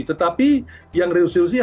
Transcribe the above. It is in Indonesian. tetapi yang resolusi